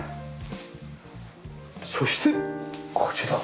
そしてこちら。